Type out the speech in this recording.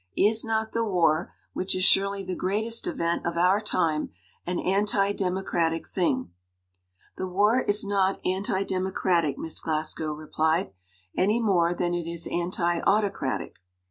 "Is not the war, which is surely the greatest event of our time, an anti democratic thing ?'' "The war is not anti democratic," Miss Glas gow replied, "any more than it is anti autocratic.